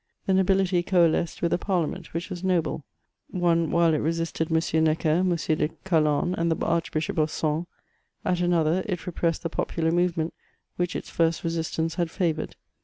The nobility coalesced with the Parliament, which was noble ; one while it resisted M. Necker, M. de Calonne, and the Archbishop of Sens : at another it repressed the popular movement, which its 6rst re sistance had favoured.